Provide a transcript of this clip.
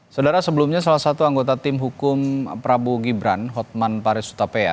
saudara sebelumnya salah satu anggota tim hukum prabowo gibran hotman paris utapea